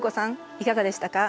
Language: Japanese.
いかがでしたか？